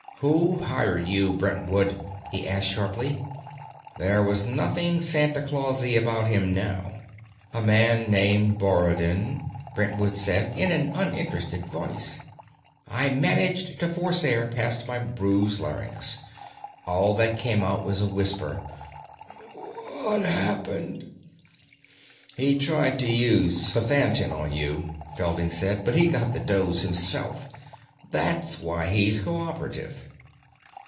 "Who hired you, Brentwood?" he asked sharply. There was nothing Santa Clausy about him now. "A man named Borodin," Brentwood said, in an uninterested voice. I managed to force air past my bruised larynx. All that came out was a whisper. "What happened?" "He tried to use pythantin on you," Felding said. "But he got the dose himself. That's why he's co operative."